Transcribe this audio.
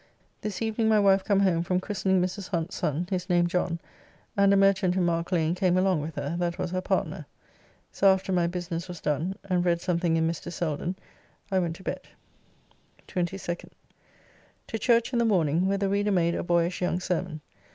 This evening my wife come home from christening Mrs. Hunt's son, his name John, and a merchant in Mark Lane came along with her, that was her partner. So after my business was done, and read something in Mr. Selden, I went to bed. 22nd. To church in the morning, where the Reader made a boyish young sermon.